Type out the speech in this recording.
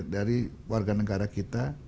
dari warga negara kita